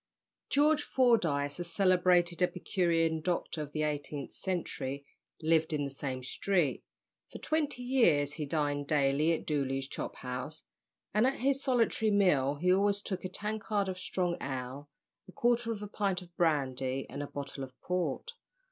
George Fordyce, a celebrated epicurean doctor of the eighteenth century, lived in the same street. For twenty years he dined daily at Dolly's Chop house, and at his solitary meal he always took a tankard of strong ale, a quarter of a pint of brandy, and a bottle of port.